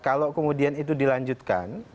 kalau kemudian itu dilanjutkan